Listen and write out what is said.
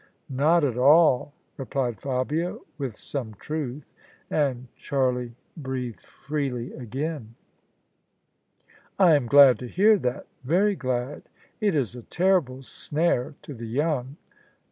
Not at all," replied Fabia with some truth : and Charlie breathed freely again. " I am glad to hear that — ^very glad : it is a terrible snare to the young."